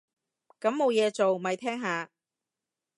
咁冇嘢做，咪聽下